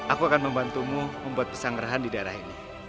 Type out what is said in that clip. aku akan membantumu membuat pesanggerahan di daerah ini